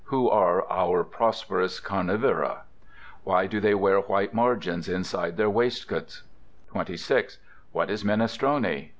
Who are "our prosperous carnivora"? Why do they wear white margins inside their waistcoats? 26. What is minestrone?